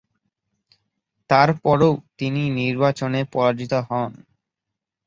তারপরও তিনি নির্বাচনে পরাজিত হন।